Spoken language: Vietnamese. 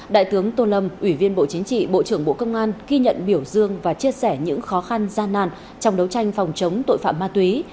đại tướng tô lâm ủy viên bộ chính trị bộ trưởng bộ công an ghi nhận biểu dương và chia sẻ những khó khăn gian nàn trong đấu tranh phòng chống tội phạm ma túy